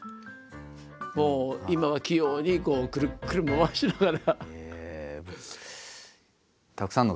もう今は器用にくるくる回しながら。